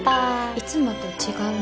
いつもと違うね。